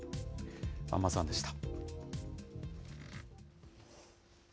安間さんでした。